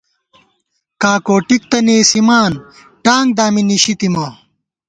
کاکوٹِک تہ نېسِمان، ٹانگ دامی نِشِی تِمہ